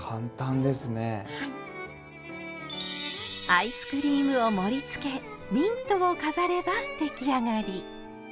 アイスクリームを盛りつけミントを飾れば出来上がり！